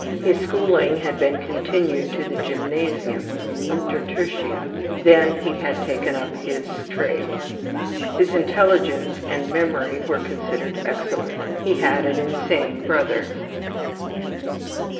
His schooling had been continued to the gymnasium, ``untertertia,'' then he had taken up his trade. His intelligence and memory were considered excellent. He had an insane brother.